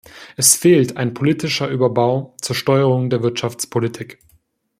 Es fehlt ein politischer Überbau zur Steuerung der Wirtschaftspolitik.